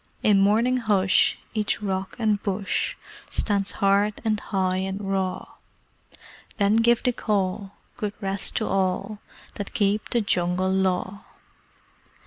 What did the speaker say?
In morning hush, each rock and bush Stands hard, and high, and raw: Then give the Call: "Good rest to all That keep The Jungle Law!"